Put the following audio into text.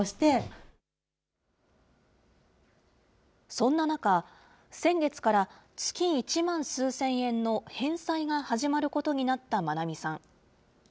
そんな中、先月から月１万数千円の返済が始まることになった真奈美さん。